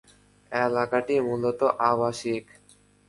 এলাকাটি মূলত আবাসিক।